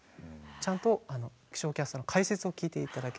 ちゃんと気象キャスターの解説を聞いて頂けると。